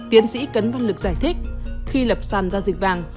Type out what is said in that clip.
tiến sĩ cấn văn lực giải thích khi lập sàn giao dịch vàng